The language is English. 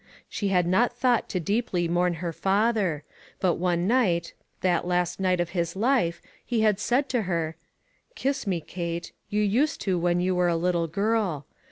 She had not thought to deeply mourn her father. But one night, that last night of his life, he had said to her :" Kiss me, Kate ; you used to when you were a little girl.